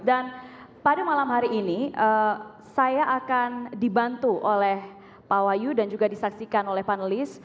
dan pada malam hari ini saya akan dibantu oleh pak wayu dan juga disaksikan oleh panelis